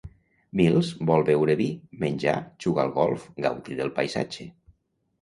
Milles vol beure vi, menjar, jugar al golf, gaudir del paisatge.